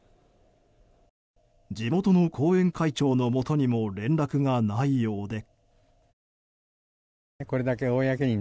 地元の後援会長のもとにも連絡がないようで。